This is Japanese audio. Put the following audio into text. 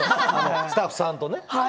スタッフさんとね。